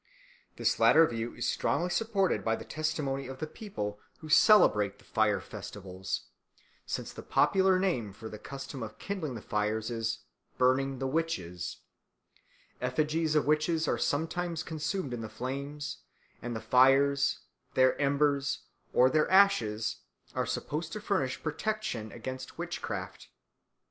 This latter view is strongly supported by the testimony of the people who celebrate the fire festivals, since a popular name for the custom of kindling the fires is "burning the witches," effigies of witches are sometimes consumed in the flames, and the fires, their embers, or their ashes are supposed to furnish protection against witchcraft.